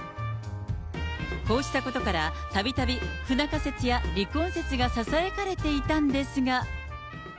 こうしたことから、たびたび、不仲説や離婚説がささやかれていたんですが。